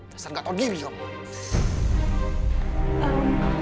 rasanya gak tau diri kamu